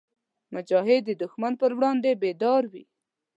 مجاهد د دښمن پر وړاندې بیدار وي.